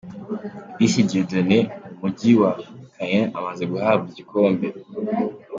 Disi Dieudoné mu mujyi wa Caen amaze guhabwa igikombe.